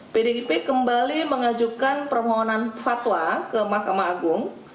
pdip kembali mengajukan permohonan fatwa ke mahkamah agung